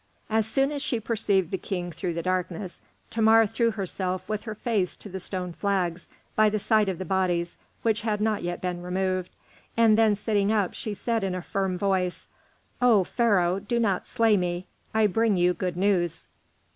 As soon as she perceived the King through the darkness, Thamar threw herself with her face to the stone flags, by the side of the bodies which had not yet been removed, and then sitting up, she said in a firm voice, "O Pharaoh, do not slay me, I bring you good news."